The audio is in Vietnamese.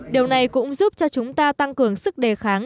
điều này cũng giúp cho chúng ta tăng cường sức đề kháng